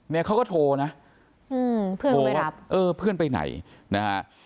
เนี่ยเขาก็โทรนะโทรว่าเพื่อนไปไหนนะฮะ